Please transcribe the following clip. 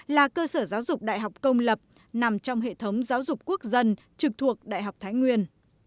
là cơ sở giáo dục đại học công lập nằm trong hệ thống giáo dục quốc dân trực thuộc đại học thái nguyên